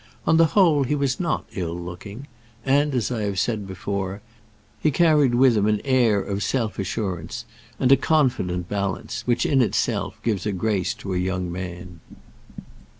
On the whole, he was not ill looking; and, as I have said before, he carried with him an air of self assurance and a confident balance, which in itself gives a grace to a young man.